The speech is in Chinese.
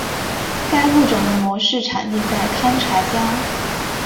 该物种的模式产地在堪察加。